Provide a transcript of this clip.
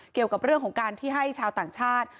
เกี่ยวกับเรื่องของการที่ให้ชาวต่างชาติ